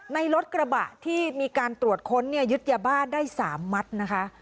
ในรถกระบะที่มีการตรวจค้นเนี่ยยึดยาบ้าได้๓มัดนะคะ